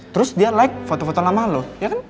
terus dia like foto foto lama lu ya kan